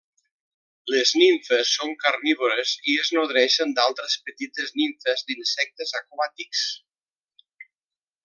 Les nimfes són carnívores i es nodreixen d'altres petites nimfes d'insectes aquàtics.